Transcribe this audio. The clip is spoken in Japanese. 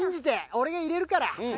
俺が入れるから次。